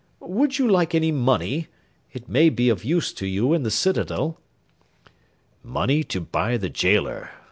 "Would you like any money? It may be of use to you in the citadel." "Money to buy the gaoler!